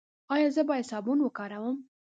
ایا زه باید صابون وکاروم؟